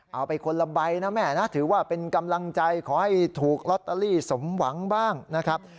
เอาไปคนละใบนะแม่นะถือว่าเป็นกำลังใจขอให้ถูกลอตเตอรี่สมหวังบ้างนะครับ